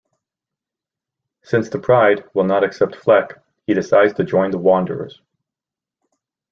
Since the pride will not accept Fleck, he decides to join the Wanderers.